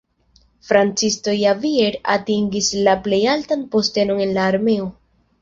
Francisco Javier atingis la plej altan postenon en la armeo.